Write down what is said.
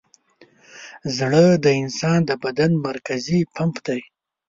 زړه د انسان د بدن مرکزي پمپ دی.